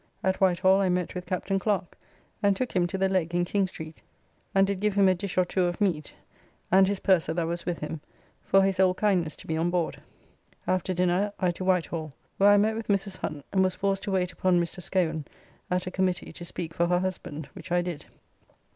At Whitehall I met with Captain Clerk, and took him to the Leg in King Street, and did give him a dish or two of meat, and his purser that was with him, for his old kindness to me on board. After dinner I to Whitehall, where I met with Mrs. Hunt, and was forced to wait upon Mr. Scawen at a committee to speak for her husband, which I did.